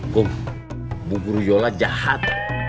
bum bu buruyola jahat